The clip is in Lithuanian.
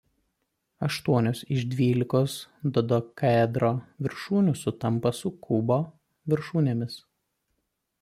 Aštuonios iš dvylikos dodekaedro viršūnių sutampa su kubo viršūnėmis.